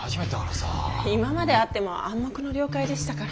今まであっても暗黙の了解でしたから。